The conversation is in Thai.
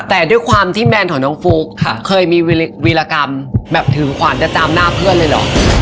แต่ด้วยความที่แบนของน้องฟุ๊กเคยมีวีรกรรมแบบถือขวานจะตามหน้าเพื่อนเลยเหรอ